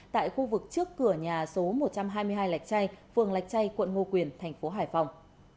tại khu vực trước cửa nhà số một trăm hai mươi hai lạch chay phường lạch chay quận ngo quyền tp hải phòng